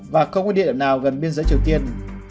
và không có địa điểm nào gần biên giới triều tiên